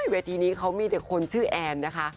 เวทีนี้เขามีแต่คนชื่อแอนนะคะ